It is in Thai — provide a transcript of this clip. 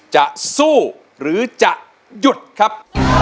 จะสู้หรือจะหยุดครับ